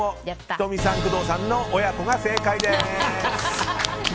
仁美さん、工藤さんの親子が正解です。